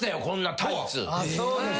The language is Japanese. こんなタイツ。